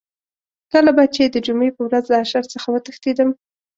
کله به چې د جمعې په ورځ له اشر څخه وتښتېدم.